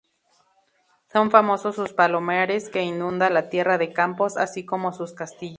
Son famosos sus palomares, que inundan la Tierra de Campos, así como sus castillos.